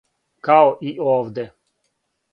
Као и овде.